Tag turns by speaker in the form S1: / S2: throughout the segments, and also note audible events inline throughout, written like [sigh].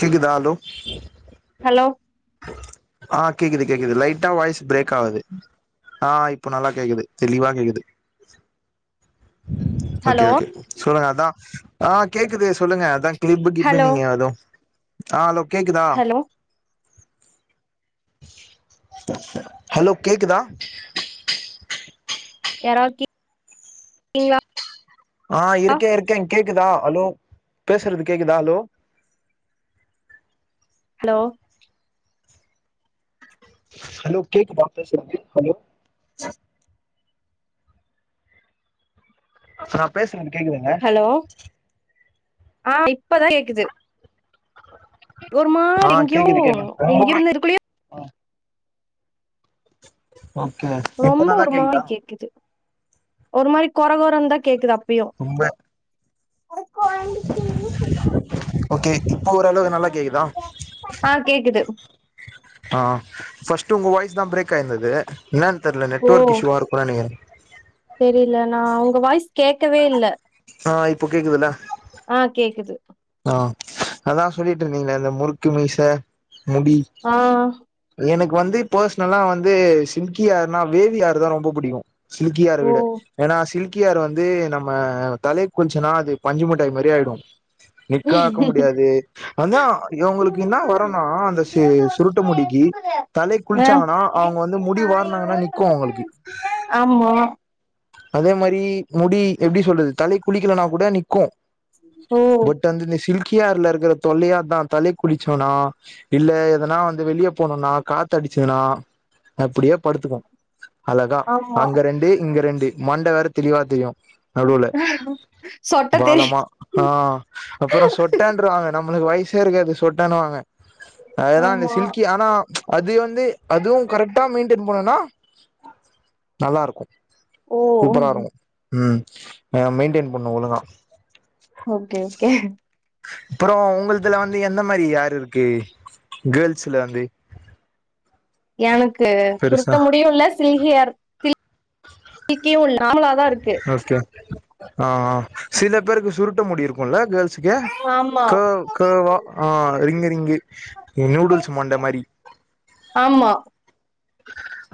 S1: கேக்குதா hello
S2: hello
S1: ஆ கேக்குது கேக்குது லைட்டா வாய்ஸ் பிரேக் ஆவுது ஆ இப்போ நல்லா கேக்குது தெளிவா கேக்குது ஓகே
S2: ஹலோ
S1: ஓகே சொல்லுங்க அதா ஆ கேக்குது சொல்லுங்க அதா கீப்பு
S2: ஹலோ
S1: கீப்புனீங்க அதுவு ஆ ஹலோ கேக்குதா
S2: ஹலோ
S1: ஹலோ கேக்குதா
S2: யாரவது கே கிங்களா
S1: ஆ இருக்கே இருக்கே கேக்குதா ஹலோ பேசுறது கேக்குதா ஹலோ
S2: ஹலோ
S1: ஹலோ கேக்குதா பேசுறது ஹலோ நா பேசுறது கேக்குதாங்க
S2: ஹலோ ஆ இப்பதா கேக்குது ஒரு
S1: ஆ
S2: மாரி எங்கேயோ
S1: கேக்குது கேக்குது
S2: எங்க
S1: ரொம்பவே
S2: இருந்து எதுகுள்ளயோ
S1: ஓகே இப்ப
S2: ரொம்ப
S1: நல்லா
S2: ஒரு மாரி
S1: கேக்குதா
S2: கேக்குது ஒரு மாரி கொற கொறந்தா கேக்குது அப்பயு
S1: ரொம்ப ஓகே இப்போ ஓரளவுக்கு நல்லா கேக்குதா
S2: ஆ கேக்குது
S1: ஆ ஃபர்ஸ்ட்டு உங்க வாய்ஸ் தா பிரேக் ஆயிருந்தது என்னன்னு தெர்ல
S2: ஓ
S1: நெட்ஒர்க் இஷ்யூவா இருக்கு நெனைக்கிறே
S2: தெரியல நா உங்க வாய்ஸ் கேக்கவே இல்ல
S1: ஆ இப்போ கேக்குதுல
S2: ஆ கேக்குது
S1: ஆ அதா சொல்லிட்டு இருந்தீங்களே இந்த முறுக்கு மீச முடி
S2: ஆ
S1: எனக்கு வந்து பர்சனலா வந்து சில்கிஹேர்ருனா வேவிஹேர்ரு தா ரொம்ப புடிக்கு சில்க்கிஹேர விட ஏன்னா சில்கி ஹேர் வந்து நம்ம தலைக் குளிச்சுன்னா அது பஞ்சு முட்டாய் மாரி ஆயிடு நிக்காக்க முடியாது அதா இவுங்களுக்கு என்னா
S2: ஓ
S1: வரனா அந்த சே சுருட்ட முடிக்கி
S2: ஆ
S1: தலைக் குளிச்சாங்கன்னா அவுங்க வந்து முடி வார்னாங்கன்னா நிக்கு அவுங்களுக்கு
S2: ஆமா
S1: அதே மாரி முடி எப்டி சொல்றது தலைக் குளிக்கலனா கூட நிக்கு
S2: ஓ
S1: ந்துட்டு சில்கிஹேர்ல இருக்கிற தொல்லையே அதா தலைக்குளிச்சோனா இல்ல எதனா வந்து வெளிய போனுனா கா த்தடிச்சுதுனா அப்டியே படுத்துக்கு அழகா
S2: ஆமா
S1: அங்க ரெண்டு இங்க ரெண்டு மண்ட வேற தெளிவா தெரியு நடுவுல
S2: சொட்ட தெரியு
S1: பாலமா ஆ அப்றோ சொட்டன்றுவாங்க நம்மளுக்கு வயசே இருக்காது சொட்டன்னுவாங்க அதுதான் இந்த
S2: ஆமா
S1: சில்கி ஆனா அது வந்து அதுவும் கரெக்டா மெயின்டெய்ன் பண்ணனா நல்லா இருக்கு
S2: ஓ
S1: சூப்பரா இருக்கு ம் மெயின்டெயின் பண்ணு ஒழுங்கா
S2: ஓகே ஓகே
S1: அப்றோ உங்கள்துல வந்து எந்த மாரி ஹேர் இருக்கு கேர்ள்ஸ்ல வந்து
S2: எனக்கு சுருட்ட
S1: பெருசா
S2: முடியுல்ல சில்கி ஹேர் சில்கி [inaudible] நார்மலாதான் இருக்கு
S1: ஓகே ஆ ஆ சில பேருக்கு சுருட்ட முடி இருக்குல்ல கேர்ள்ஸ்க்கு எஹெ
S2: ஆமா
S1: க்ஹேவ் க்ஹேவா ஆ ரிங்க் ரிங்க் நூடுல்ஸ் மண்ட மாரி
S2: ஆமா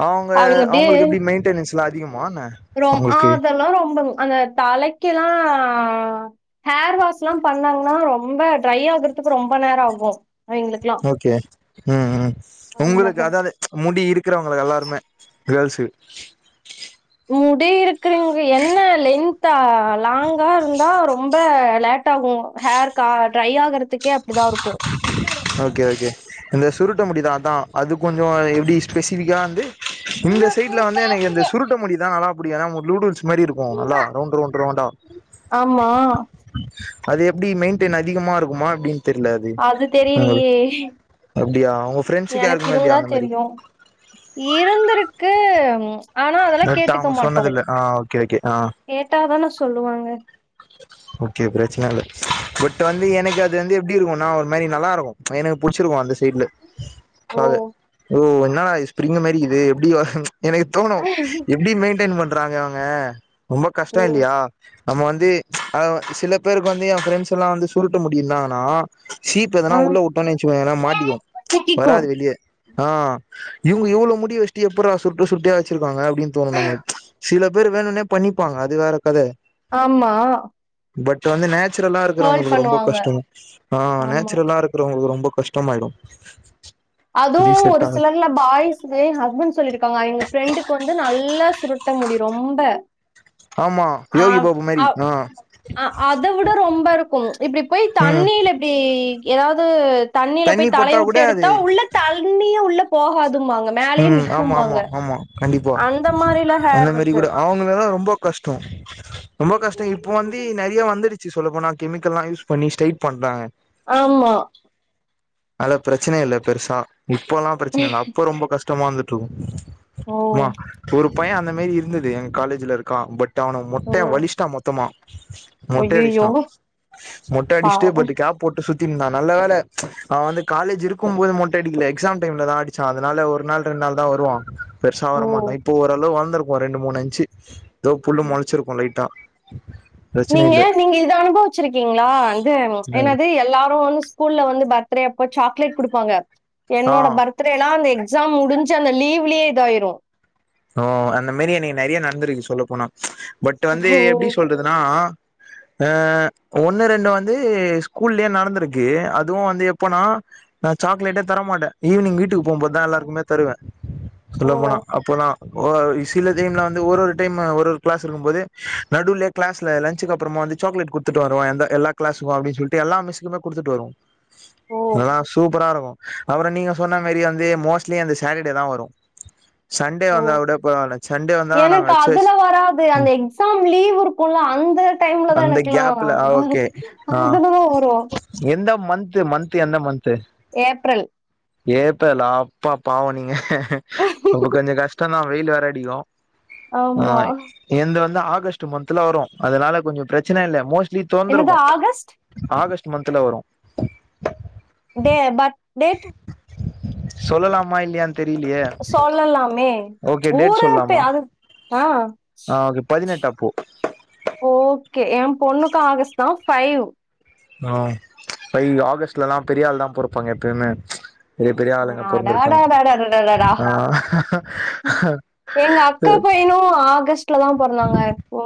S1: அவுங்க
S2: அவிங்க அப்டியே
S1: அவுங்களுக்கு எப்டி மெயின்டனன்ஸ் எல்லா அதிகமா என்ன
S2: ரொம்
S1: அவங்களுக்கு
S2: அதெல்லா ரொம்பங் அந்த தலைக்கெல்லா ஹேர் வாஷ் எல்லா பண்ணாங்கன்னா ரொம்ப ட்ரை ஆகுறதுக்கு ரொம்ப நேரோ ஆகு அவிங்களுக்குலா
S1: ஓகே ம் ம் உங்களுக்கு அதாது முடி இருக்கிறவங்களு எல்லாருமே கேள்ஸு
S2: முடி இருக்கறீங்க என்ன லென்தா லாங்கா இருந்தா ரொம்ப லே ட்டாகு ஹேர் க ட்ரை ஆகுறதுக்கே அப்டிதா இருக்கு
S1: ஓகே ஓகே இந்த சுருட்ட முடிதான் அதான் அது கொஞ்சோ எப்டி ஸ்பெசிஃபிக்கா வந்து இந்த சைட்ல வந்து எனக்கு இந்த சுருட்ட முடிதான் நல்லா புடிக்கு ஏனா நூடூல்ஸ் மாரி இருக்கு நல்லா ரவுண்ட் ரவுண்ட் ரவுண்டா
S2: ஆமா
S1: அது எப்டி மெயின்டெய்ன் அதிகமா இருக்குமா எப்டின் தெரில அது உங்குள் அப்டியா உங்க ஃப்ரெண்ட்ஸுக்கு
S2: எனக்கு
S1: யாருக்குமே
S2: இருந்தா
S1: இல்லையா அந்த மாரி
S2: தெரியு இருந்திருக்கு ஆனா அதெல்லா
S1: பட்
S2: கேட்டுக்க
S1: அவங்க
S2: மாட்டோ
S1: சொன்னதில்ல ஆ ஓகே ஓகே ஆ
S2: கேட்டாதான சொல்லுவாங்க
S1: ஓகே பிரச்சன இல்ல பட் வந்து எனக்கு அது வந்து எப்டி இருக்குன்னா ஒரு மாரி நல்லா இருக்கும் எனக்கு புடிச்சிருக்கும் அந்த ஸ்டைல்லு
S2: ஓ
S1: அது ஓ என்னாடா ஸ்பிரிங் மாரிக்குது எப்டி வரும் எனக்கு தோணும் எப்டி மெயின்டென் பண்றாங்க அவங்க ரொம்ப
S2: ஓ
S1: கஷ்டோ இல்லையா நம்ம வந்து அத சில பேருக்கு வந்து ஏ பிரரெண்ட்ஸ்ல்லா வந்து சுருட்ட முடி இருந்தாங்கன்னா சீப்ப
S2: ஆ
S1: எதனா உள்ள விட்டோன்னு வெச்சுங்கன்னா மாட்டிக்கும்
S2: சிக்கிக்கு
S1: வராது வெளியே ஆ இவங்க இவ்வள முடி வச்சிட்டு எப்புறா சுர்ட்ட சுர்ட்டியா வச்சிருக்காங்க அப்டின்னு தோணும் நம்மளுக்கு சில பேர் வேணும்னே பண்ணிப்பாங்க அது வேற கத
S2: ஆமா
S1: பட் வந்து நேச்சுரலா
S2: கேர்ள்
S1: இருக்கறவங்களுக்கு ரொம்ப
S2: பண்ணுவாங்க
S1: கஷ்டோ ஆ
S2: ஆமா
S1: நேச்சுரலா இருக்கறவங்களுக்கு ரொம்ப கஷ் டோமாயிரும்
S2: அதுவும் ஒரு சிலர்ல்லா பாய்ஸ் ஏ ஹஸ்பண்ட் சொல்லிருக்காங்க எங்க ஃப்ரெண்டுக்கு வந்து நல்லா சுருட்ட முடி ரொம்ப
S1: ஆமா
S2: ஆ
S1: யோகி
S2: அ
S1: பாபு மாரி
S2: அ
S1: ஆ
S2: ஆ அத விட ரொம்ப இருக்கும் இப்படி போய்
S1: ம்
S2: தண்ணீல அப்டி ஏதாவது தண்ணியில
S1: தண்ணி
S2: போய் தலய
S1: பட்டா கூட
S2: விட்டு எடுத்து
S1: அது
S2: உள்ள தழ்ண்ணிய உள்ள போகதும்மாங்க
S1: ம் ஆமா ஆமா ஆமா கண்டிப்பா
S2: அந்த மாரிலா
S1: அந்த
S2: ஹேர்
S1: மாரி
S2: இருக்கு
S1: கூட ஆ முன்னலா ரொம்ப கஷ்டோ ரொம்ப கஷ்டோ இப்ப வந்து நெறைய வந்துடுச் சொல்ல போனா கெமிக்க எல்லாம் யூஸ் பண்ணி ஸ்ட்ரைட் பண்றாங்க
S2: ஆமா
S1: அது பிரச்சன இல்ல பெருசா இப்போல்லா பிரச்சன இல்ல அப்ப ரொம்ப கஷ்டமா இருந்துட்டு இருக்கும்
S2: ஓ
S1: ஆமா ஒரு பையே அந்த மாரி இருந்தது எங்க காலேஜல இருக்கான் பட் அவன மொட்டையா
S2: ஓ
S1: வலிஸ்ட்டா மொ த்தமா மொட்ட
S2: அய்யய்யோ
S1: அடிச்ட்டோ மொட்ட அட்ச்சுட்டு
S2: பாவோ
S1: பட்டு கேப் போட்டு சுத்திட்ருந்தா நல்ல வேல அவ வந்து காலேஜ் இருக்கும் போது மொட்டை அடிக்கல எக்ஸாம் டைம்ல தா அடிச்சா அதனால ஒரு நாள் ரெண்டு நாள் தா வருவா பெருசா வர மாட்டா
S2: ஓ
S1: இப்போ ஓரளவு வந்திருக்கும் ரெண்டு மூணு அஞ்சு ஏதோ புல்லு மொளச்சிருக்கும் லைட்டா [inaudible]
S2: நீங்க நீங்க இத அனுபவிச்சிருக்கீங்களா வந்து என்னது எல்லாரும் ஒன்னு ஸ்கூல்ல வந்து பர்த்டே அப்ப சாக்லேட் குடுப்பாங்க
S1: ஆ
S2: என்னோட பர்த் ர்த்டே எல்லா அந்த எக்ஸாம் முடிஞ்ச அந்த லீவ்லயே இதாயிரும்
S1: ஓ அந்த மாரி எனக்கு நெறைய நடந்திருக்கு சொல்ல போனா பட்
S2: ஓ!
S1: வந்து எப்டி சொல்றதுன்னா ஆ ஒண்ணு ரெண்டு வந்து ஸ்கூல்லயே நடந்திருக்கு அதுவும் வந்து எப்பனா நா சாக்லேட்டே தரமாட்டே ஈவினிங் வீட்டுக்கு
S2: ஓ!
S1: போம்போதுதா எல்லாருக்குமே தருவே சொல்ல
S2: ஓ!
S1: போனா அப்போல்லா சில டைம்ல வந்து ஒரு ஒரு டைம் ஒரு ஒரு கிளாஸ் இருக்கம் போது நடுவுளே கிளாஸ்ல லன்ச்சுக்கு அப்புறமா வந்து சாக்லேட்டு குடுத்துட்டு வருவா எல்லா கிளாஸ்க்கு அப்டின்னு சொல்லிட்டு எல்லா மிஸ்க்குந்தா குடுத்துட்டுவருவோ
S2: ஓ!
S1: அதல்லா சூப்பரா இருக்கும் அப்றோ நீங்க சொன்ன மாரி வந்து மோஸ்ட்லி அந்த சேட்டர்டே தா வரும் சண்
S2: ஓ எனக்கு அதுல
S1: சர்ச்
S2: வராது அந்த
S1: ம்
S2: எக்ஸாம் லீவ் இருக் குல்ல அந்த டைம்ல தா
S1: அந்த
S2: எனக்கெல்லா
S1: கேப்ல ஆ
S2: வரும்
S1: ஓகே ஆ
S2: அதுதா வரும்
S1: எந்த மந்த்த் மந்த்த் எந்த மந்த்து
S2: ஏப்ரல்
S1: ஏப்ரலா அப்பா பாவோ நீங்க அப்ப கொஞ்ச கஷ்டந்தா வெயில் வேறடிக்கும்
S2: ஆமா
S1: எந்து வந்து ஆகஸ்ட் மன்த்ல வரும் அதனால கொஞ்சொ பிரச்சன இல்ல மோஸ்ட்லி
S2: என்னது
S1: தோந்துருக்கும்
S2: ஆகஸ்ட்?
S1: ஆகஸ்ட் மந்த்த்ல வரும்
S2: [unintelligible]
S1: சொல்லலாமா இல்லையான்னு தெரியலையே
S2: சொல்லலாமே
S1: ஓகே டேட்
S2: ஊரவிட்டே
S1: சொல்லாமா
S2: அது அ
S1: ஆ ஓகே பதினெட்டு அப்போ
S2: ஓகே என் பொண்ணுக்கு ஆகஸ்ட் தா ஃபைவ்
S1: ஆ இப்ப இங்க ஆஃபிஸ்லலா பெரிய ஆள் தா பொறப்பாங்க எப்பயுமே பெரிய பெரிய ஆளுங்க பொறந்திர்க்காங்க
S2: அடாடாடாடாடாடாடா
S1: ஆ
S2: எங்க அக்கா பையனு ஆகஸ்ட்ல தா பொறந்தாங்க இப்போ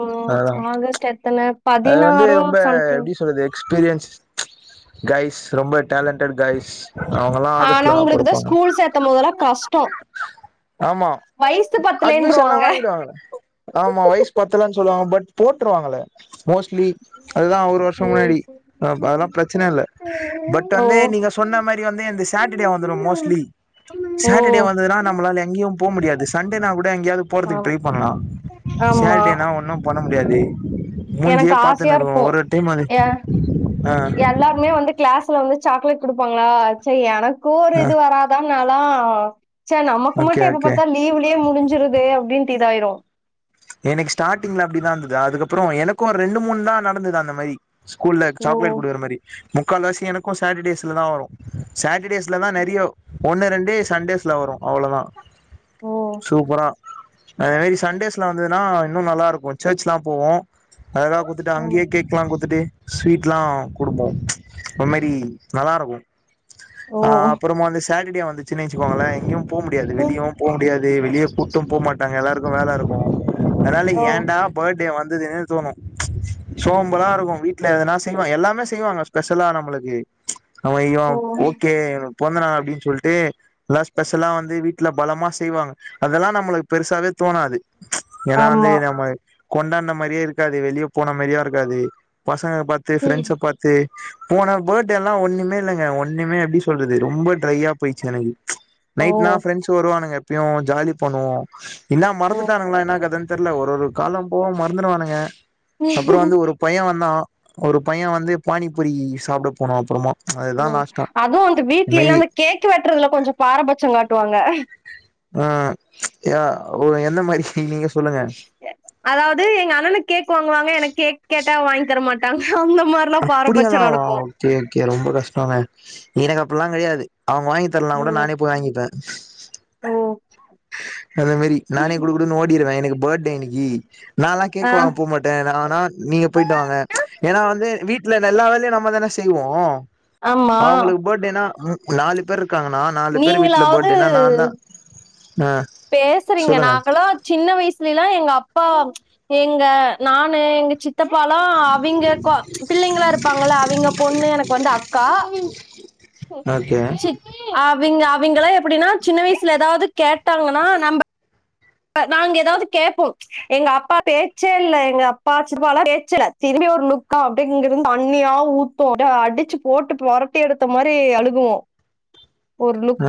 S2: ஆகஸ்ட் எத்தன
S1: ஆ அது வந்து ரொம்ப எப்டி சொல்லுது எக்ஸ்பீரியன்ஸ் காய்ஸ் ரொம்ப டேலண்டட் காய்ஸ் அவுங்கல்லா
S2: ஆனா
S1: ஆகஸ்ட்லதா
S2: உங்களுக்கு தான்
S1: பொறப்பாங்க
S2: ஸ்கூல் சேர்த்தும் போதெல்லாம் கஷ்டம்
S1: ஆமா
S2: வயசு
S1: அட்மிஷன்லா
S2: பத்துலேன்றுவாங்க
S1: வாங்கிடுவாங்க ஆமா வயசு பத்தலனு சொல்லுவாங்க பட் போட்டுருவாங்களே மோஸ்ட்லி அதுதா ஒரு வருஷம் முன்னாடி அதுப் அதெல்லா பிரச்சனை இல்ல பட்
S2: ஓ
S1: வந்து நீங்க ஸ் சொன்ன மாரி வந்து இந்த சேட்டர்டே வந்துரு மோஸ்ட்லி சாட்டர்டே
S2: ஓ
S1: வந்ததுனா நம்மளால எங்கயும் போ முடியாது சண்டே நா கூட எங்கெயாவது போறதுக்கு
S2: ஆமா
S1: ட்ரை பண்ணலா
S2: ஆமா
S1: சேடேனா ஒன்னு பண்ண முடியாது
S2: எனக்கு
S1: மூஞ்சியே
S2: ஆஸ்யா
S1: பாத்துன்னு
S2: ர்க்கு
S1: இருக்கணு ஒரு டைம் அது
S2: எ
S1: ஆ
S2: எல்லாருமே வந்து கிளாஸ்ல வந்து சாக்லேட்குடுப்பாங்களா சேரி எனக்கு ஒரு
S1: ஆ
S2: இது வராதா நா லா சே நமக்கு
S1: ஓகே
S2: மட்டும் எப்ப
S1: ஓகே
S2: பாத்தாலு லீவ்லயே முடிஞ்சிறுதே அப்டின்னுட்டு இதாயிரு
S1: எனக்கு ஸ்டார்ட்டிங்ல அப்டிதா. இருந்தது அதுக்கப்புற எனக்கு ஒரு ரெண்டு மூணு தா நடந்தது அந்த மாரி ஸ்கூல்ல
S2: ஓ
S1: சாக்லேட் குடுக்கற மாரி முக்கால் வாசி எனக்கு சாட்டர்டேஸ்ல தா வரு சேட்டர்டேஸ் ட்ல தா நெறைய ஒன்னு ரெண்டு சண்டேஸ்ல வரு அவ்ளோதா
S2: ஓ
S1: சூப்பரா அந்த அன்னைக்கி சண்டேஸ் வந்ததுனா இன்னு நல்லா இருக்கு சர்ச் எல்லா போவோ அதலா குத்துட்டு
S2: ம்
S1: அங்கயே கேக்லா குத்துட்டு ஸ்வீட்லா குடுப்போ ஒரு மாரி நல்லா இருக்கு
S2: ஓ
S1: ஆ அப்புறமா வந்து சாட்டர்டே வந்துச்சுன்னு வச்சுக்கோங்களே எங்கயு போமுடியாது
S2: ம்,
S1: வெளியு போ முடியாது வெளிய கூட்டு போ மாட்டாங்க எல்லாருக்கு வேல இருக்கு அதா ல
S2: ஓ
S1: ஏன்டா பர்டே வந்துதுன்னு தோணு சோம்பலா இருக்கு வீட்ல எதனா செய்வாங்க எல்லாமே செய்வாங்க ஸ்பெஷலா நம்மளுக்கு அவ ஐயோ
S2: ஓ
S1: ஓகே பொறந்தநாள் அப்டின்னு சொல்ட்டு எல்லா ஸ்பெஷலா வந்து வீட்ல பலமா செய்வாங்க அதெல்லா நம்மளுக்கு பெருசாவே தோணாது ஏனா வந்து
S2: ஆமா
S1: நம்ம கொண்டாடுன மாரியே இருக்காது வெளிய போன மாரியு இருக்காது பசங்க பா த்து
S2: ம்,
S1: ஃபிரண்ட்ஸ பாத்து போனா பர்டேலா ஒண்ணுமே இல்லங்க ஒண்ணுமே அப்டி சொல்லுது ரொம்ப ட்ரையா போயிச்சு எனக்கு
S2: ஓ
S1: நைட் லா ஃபிரெண்ட்ஸ் டு வருவானுங்க எப்பயு ஜாலி பண்ணுவோ எல்லா
S2: ஓ
S1: மறந்து அவுங்களா என்ன கதன்னு தெர்ல ஒரு ஒரு காலம் போக மறந்துடுவானுங்க அப்புற வந்து
S2: ம்
S1: ஒரு பைய வந்தான் ஒரு பைய வந்து பானிபூரி சாப்ட போனு அப்புறமா அதுதா
S2: ம்
S1: லாஸ்ட்டா
S2: அதுவு வந்து
S1: இந்த
S2: வீட்லல்லா
S1: மாரி
S2: அந்த கேக்கு வெட்டுறதுல கொஞ்ச பாரபட்சம் காட்டுவாங்க
S1: ஆ ஓ எந்த மாரி நீங்க சொல்லுங்க
S2: அதாவது எங்க அண்ணனுக்கு கேக் வாங்குவாங்க எனக்கு கேக் கேட்டா வாங்கித்தர மாட்டாங்க அந்த மா ப்பனா பாரபட்ச நடக்கு
S1: கே கே ரொம்ப கஷ்டோங்க எனக்கு அப்டில்லா கிடையாது அவுங்க வாங்கி தரலேனா கூட
S2: ஓ
S1: நானே போய் வாங்கிப்பே
S2: ஓ
S1: அதே மாரி நானே குடுகுடுனு ஓடிருவே எனக்கு பர்த்டே இன்னைக்கு நான்லா கேக் வாங்க
S2: ஆ
S1: போ மாட் த நானா நீங்க போயிட்டு வாங்க ஏனா வந்து வீட்ல எல்லா வேலயு நம்ம தானே செய்வோ
S2: ஆமா
S1: அவுங்களுக்கு பர்த்டேனா நாலு பேர் இருக்காங்கன்னா நாலு பேர் வீட்ல
S2: நீங்களாவது
S1: பர்த்டேனா நான்தா ஆ
S2: பேசுறீங்க
S1: சொல்லுங்க
S2: நாங்களா சின்ன வயசுல எல்லா எங்க அப்பா எங்க நானு எங்க சித் சித்தப்பாலா அவிங்க கா பிள்ளைங்களா இருப்பாங்கள அவிங்க பொண்ணு எனக்கு வந்து அக்கா
S1: ஓகே
S2: அவிங் அவிங்களா எப்டின்னா சின்ன வயசுல ஏதாது கேட்டாங்கன்னா நம்ப க நாங்க ஏதாது கேப்போ எங்க அப்பா பேச்சே இல்ல எங்க அப்பா சித்பால்லா பேச்சே இல்ல திரும்பி ஒரு லுக்கா அப்டி இங்க இருந்து தண்ணியா ஊத்து அடிச்சு போட்டு பொரட்டி எடுத்த மாரி அழுகுவோ
S1: [inaudible] அ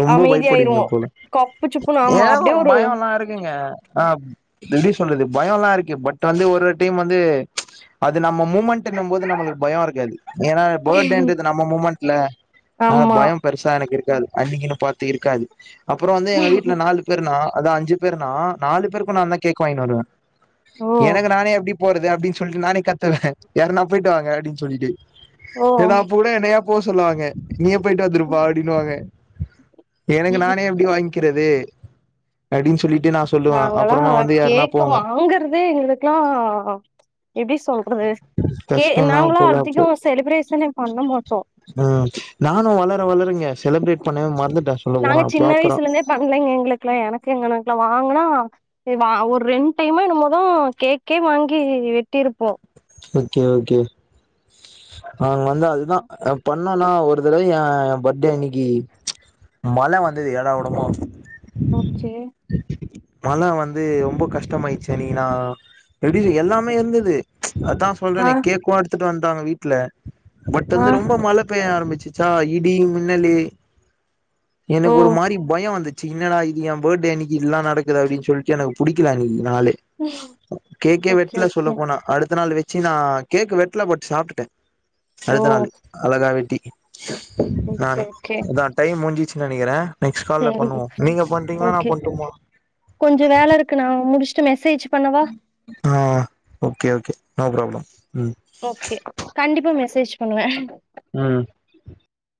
S1: ரொம்ப பயப்பிடுவிங்க
S2: அமைதியாயிருவோ
S1: போல
S2: கப்பு சுப்புன்னு ஆமா
S1: எ ஒ
S2: அப்டியே ஒரு
S1: பயோல்லா பாருங்கங்க அ எப்டி சொல்றது பயோன் ல்லா இருக்கு பட் வந்து ஒரு டைம் வந்து அது நம்ம மூமெண்ட்டென்னும்போது நம்மளுக் பயோ இருக்காது ஏன்னா பர்த்டேன்றது நம்ம மொமெண்ட்ல அனல
S2: ஆமா
S1: பயம் பெருசா எனக்கு இருக்காது அன்னிகின்னு பாத்து இருக்காது அப்புற வந்து எங்க வீட்ல நாலு பேர் நா அத அஞ்சு பேருனா நாலு பேரு நா தா கேக்கு வாங்கினு வருவே
S2: ஓ
S1: எனக்கு நானே எப்டி போறது அப்டின்னு சொல்லிட்டு நானே கத்துவே யாருன்னா போயிட்டு வாங்க அப்டின்ன சொல்லிட்டு
S2: ஓ
S1: ஏனா அப்ப கூட என்னயா போ சொல்லுவாங்க நீயே போய்ட்டு வந்துருப்பா அப்டின்னுவாங்க எனக்கு நானே எப்டி வாங் க்கிறது அப்டின்னு சொல்லிட்டு நா சொல்லுவே
S2: நாங்கல்லா
S1: அப்புறமா வந்து யாருன்னா
S2: கேக்கு
S1: போங்க
S2: வாங்கறதே எங்ளுக்குல்லா எப்டி சொல்றது கே
S1: கஷ்டந்தா
S2: நாங்கள
S1: போல அப்போ
S2: அதிகோ செலிப்ரேஷனே பண்ண மாட்டோ
S1: ம் நானு வளர வளரங்க செலிப்ரேட் பண்ணவே மறந்துட்டே சொல்ல
S2: நாங்க
S1: போனா
S2: சின்ன
S1: ப்ராப்பரா
S2: வயசுல இருந்தே பண்ணலைங்க எங்களுக்கெல்லா எனக்கு எங்கண்ணணக்கு வாங்னா வா ஒரு ரெண் டைமோ என்னமோதா கேக்கே வாங்கி வெட்டியிருப்போ
S1: ஓகே ஓகே நாங் வந்து அதுதா பா என்னன்னா ஒரு தடவ ய எ பட்டே அன்ணிக்கி மழ வந்தது ஏடா கூடுமா
S2: ம் செ
S1: மழ வந்து ரொம்ப கஷ்டமாயிடுச்சு அண்ணிக்குனா எப்டி எல்லாமே இருந்தது அதா
S2: ஆ
S1: சொல்றனே கேக்குவ எடுத்துட்டு வண்டாங்க வீட்ல பட்
S2: ஆ
S1: வந்து ரொம்ப மழ பேய ஆரம்பிச்சுச்சா இடி மின்னலு
S2: ஓ
S1: எனக்கு ஒரு மாரி பயோ வந்து சி என்னடா இது ஏன் பர்டே அன்னிக்கு இப்புலா நடக்குது அப்டின்னு சொல்லிட்டு எனக்கு புடிக்கல அன்னைக்கு நாளே கேக்கே
S2: ஓகே
S1: வெட்ல சொல்ல
S2: ஓகே
S1: போனா த்த நாள் வச்சு நா கேக் வெட்ல பட் சாப்ட்டுட்டே
S2: ஓ
S1: அடுத்த நாள் அழகா வெட்டி
S2: ஓகே
S1: நானே
S2: ஓகே
S1: அதான் டைம் முஞ்சிச்சு நெனைக்கிறே நெக்ஸ்ட் கால்ல
S2: சேரி
S1: பண்ணுவோம் நீங்க பண்றீங்களா நா பண்டுமா
S2: கொஞ்ச வேல இருக்கு நா முடிச்சுட்டு மெசேஜ் பண்ணவா
S1: ஆ ஓகே ஓகே நோ ப்ராப்ளம் ம்
S2: ஓகே கண்டிப்பா மெசேஜ் பண்ணுவே
S1: ம்